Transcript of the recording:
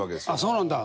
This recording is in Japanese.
そうなんだ。